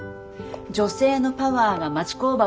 女性のパワーが町工場を変えた！